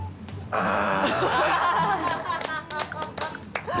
ああ！